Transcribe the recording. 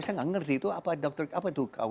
saya nggak ngerti itu apa dokter apa itu kw